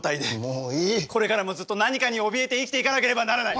これからもずっと何かにおびえて生きていかなければならない。